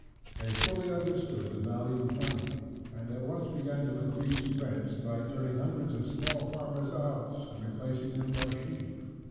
They fully understood the value of money, and at once began to increase INTRODUCTION 29 by turning hundreds of small farmers out and replacing them by sheep.